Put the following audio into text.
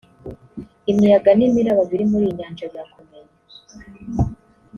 imiyaga ni miraba biri muri iyi nyanja birakomeye